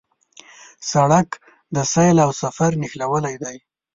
سړک د سیل او سفر نښلوی دی.